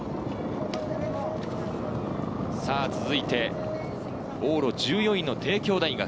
さぁ続いて往路１４位の帝京大学。